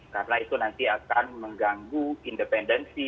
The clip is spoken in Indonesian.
karena itu nanti akan mengganggu independensi